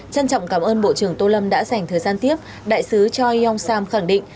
trân trọng cảm ơn bộ trưởng tô lâm đã dành thời gian tiếp đại sứ choi yong sam khẳng định